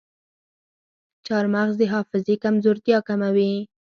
چارمغز د حافظې کمزورتیا کموي.